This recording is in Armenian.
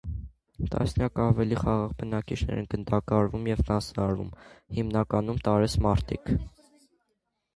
Տասնյակից ավելի խաղաղ բնակիչներ են գնդակահարվում ու կացնահարվում (հիմնականում՝ տարեց մարդիկ)։